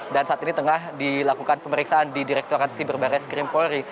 dan saat ini tengah dilakukan pemeriksaan di direkturansi berbarai skrim polri